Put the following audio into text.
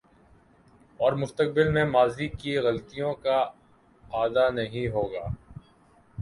اورمستقبل میں ماضی کی غلطیوں کا اعادہ نہیں ہو گا۔